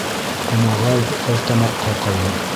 Ҡомағай ҡылтамаҡҡа ҡалыр.